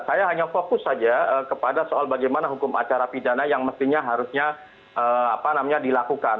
saya hanya fokus saja kepada soal bagaimana hukum acara pidana yang mestinya harusnya dilakukan